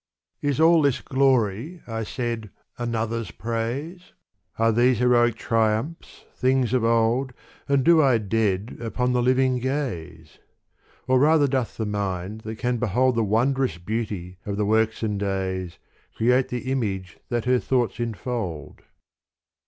Is all this glory, I said, another's praise ? Are these heroic triumphs things of old And do I dead upon the living gaze ? Or rather doth the mind that can behold The wondrous beauty of the works and days Create the image that her thoughts enfold.